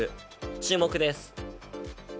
注目です。